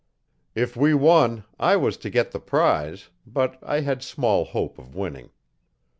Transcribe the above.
If we won I was to get the prize but I had small hope of winning.